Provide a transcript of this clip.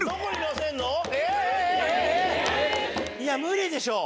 いや無理でしょ！